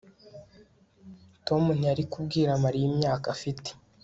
Tom ntiyari kubwira Mariya imyaka afite